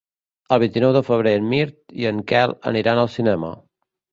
El vint-i-nou de febrer en Mirt i en Quel aniran al cinema.